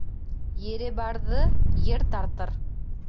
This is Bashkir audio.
Ере барҙы ер тартыр